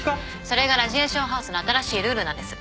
それがラジエーションハウスの新しいルールなんです。